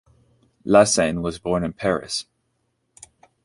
Lassaigne was born in Paris.